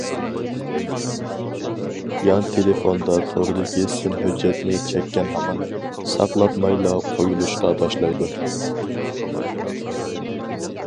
يان تېلېفوندا توردىكى سىن ھۆججەتنى چەككەن ھامان، ساقلاتمايلا قويۇلۇشقا باشلايدۇ.